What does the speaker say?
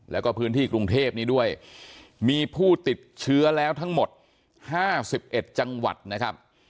แล้วก็พื้นที่กรุงเทพนี้ด้วยมีผู้ติดเชื้อแล้วทั้งหมด๕๑จังหวัดนะครับ